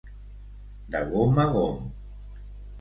De gom a gom.